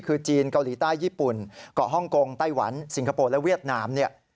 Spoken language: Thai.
คือจีนเกาหลีใต้ญี่ปุ่นเกาะฮ่องกงไต้หวันสิงคโปร์และเวียดนามเนี่ย